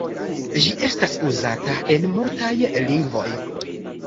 Ĝi estas uzata en multaj lingvoj.